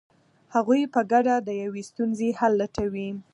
هغوی په ګډه د یوې ستونزې حل لټوي.